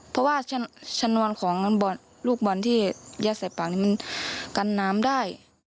เพราะว่าชนวนของลูกบอลที่ยัดใส่ปากนี้มันกันน้ำได้